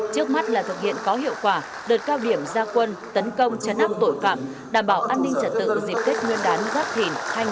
trước mắt là thực hiện có hiệu quả đợt cao điểm gia quân tấn công chấn áp tội phạm đảm bảo an ninh trật tự dịp kết nguyên đán giáp thìn hai nghìn hai mươi bốn